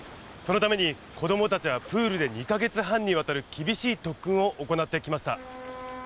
そのために子どもたちはプールで２か月半にわたる厳しい特訓を行ってきました。